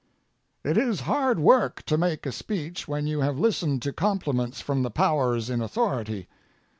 It is hard work to make a speech when you have listened to compliments from the powers in authority.